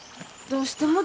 どうしたの？